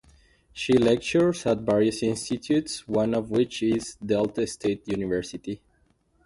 She lectures at various institutes one of which is Delta State University.